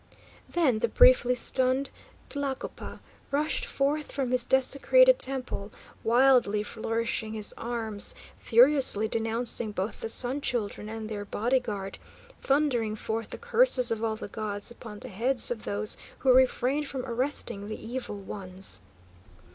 Then the briefly stunned Tlacopa rushed forth from his desecrated temple, wildly flourishing his arms, furiously denouncing both the Sun Children and their body guard, thundering forth the curses of all the gods upon the heads of those who refrained from arresting the evil ones.